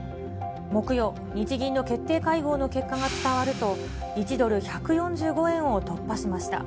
木曜、日銀の決定会合の結果が伝わると、１ドル１４５円を突破しました。